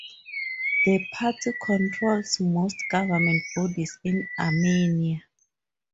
The party controls most government bodies in Armenia.